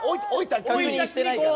確認してないからね。